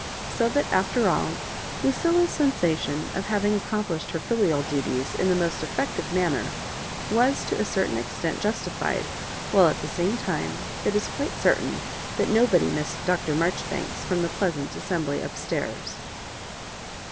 So that, after all, Lucilla's sensation of having ac complished her filial duties in the most effective manner was to a certain extent justified, while at the same time it is quite certain that nobody missed Dr. Marjoribanks from the pleasant as sembly up stairs.